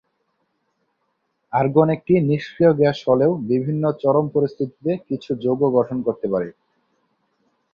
Argon একটি নিষ্ক্রিয় gas হলেও বিভিন্ন চরম পরিস্থিতিতে কিছু যৌগ গঠন করতে পারে।